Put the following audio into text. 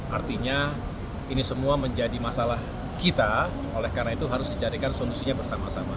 artinya ini semua menjadi masalah kita oleh karena itu harus dicarikan solusinya bersama sama